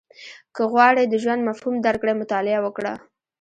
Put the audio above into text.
• که غواړې د ژوند مفهوم درک کړې، مطالعه وکړه.